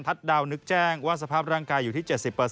ดาวนึกแจ้งว่าสภาพร่างกายอยู่ที่๗๐